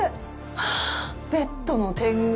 はあ、ベッドの天蓋。